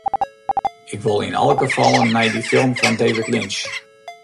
Ik wol yn alle gefallen nei dy film fan David Lynch.